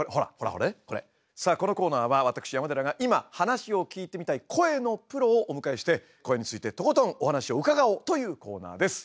さあこのコーナーは私山寺が今話を聞いてみたい声のプロをお迎えして声についてとことんお話を伺おうというコーナーです。